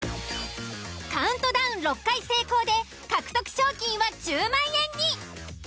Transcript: カウントダウン６回成功で獲得賞金は１０万円に。